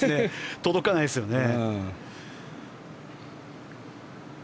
届かないですよね。